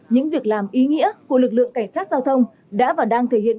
những việc làm ý nghĩa của lực lượng cảnh sát giao thông đã và đang thể hiện